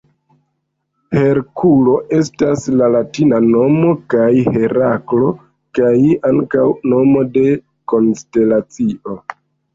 Herkulo estas la latina nomo de Heraklo kaj ankaŭ nomo de konstelacio.